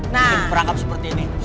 nah perangkap seperti ini